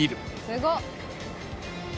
すごっ！